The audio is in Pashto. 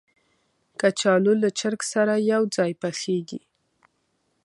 کچالو له چرګ سره یو ځای پخېږي